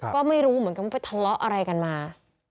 ก็ไม่รู้เหมือนกันว่าไปทะเลาะอะไรกันมา